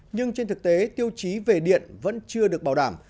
nhưng trên thực tế tiêu chí về điện vẫn chưa được bảo đảm